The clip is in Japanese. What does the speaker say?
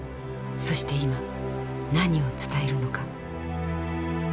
そして今何を伝えるのか。